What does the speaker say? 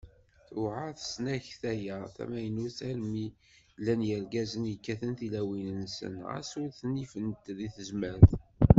Tewɛer tesnakta-a tamaynut armi llan yirgazen i kkatent tlawin-nsen, ɣas ur ten-ifent deg tezmert.